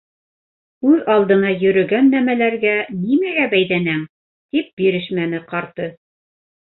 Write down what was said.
Үҙ алдына йөрөгән нәмәләргә нимәгә бәйҙәнәң? - тип бирешмәне ҡарты.